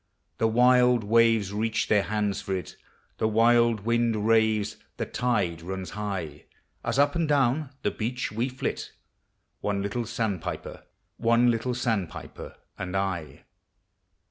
The wild waves reach their hands for it. The wild wind raves, the tide runs high, As up and down the beach we flit, — One little sandpiper and T.